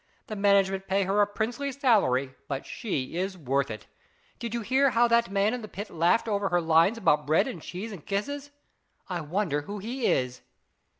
The management pay her a princely salary ; but she is worth it. Did you hear how that man in the pit laughed over her lines about bread and cheese and kisses ? I wonder who he is